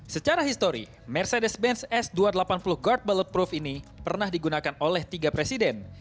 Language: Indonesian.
secara histori mercedes benz s dua ratus delapan puluh guard ballopproof ini pernah digunakan oleh tiga presiden